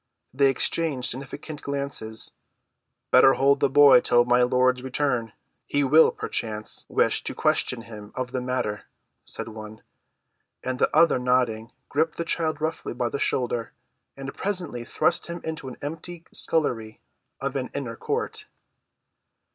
They exchanged significant glances. "Better hold the boy till my lord's return; he will, perchance, wish to question him of the matter," said one. And the other nodding, gripped the child roughly by the shoulder, and presently thrust him into an empty scullery of an inner court.